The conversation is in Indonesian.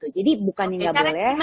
jadi bukannya nggak boleh